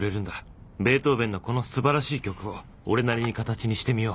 ベートーヴェンのこのすばらしい曲を俺なりに形にしてみよう